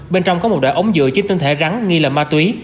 bên trong có một đoạn ống dựa trên tinh thể rắn nghi là ma túy